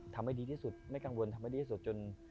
ทำให้ดีที่สุดไม่กังวลทำให้ดีที่สุดจน